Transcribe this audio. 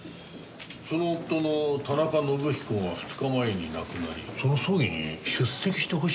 その夫の田中伸彦が２日前に亡くなりその葬儀に出席してほしいって書いてあるんだが。